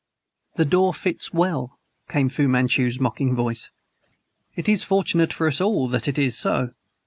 "The door fits well," came Fu Manchu's mocking voice. "It is fortunate for us all that it is so.